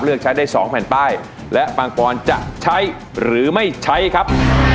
เลือกใช้ได้๒แผ่นป้ายและปังปอนจะใช้หรือไม่ใช้ครับ